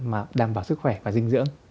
mà đảm bảo sức khỏe và dinh dưỡng